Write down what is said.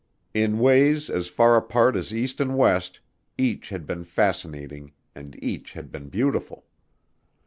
In ways as far apart as east and west, each had been fascinating and each had been beautiful.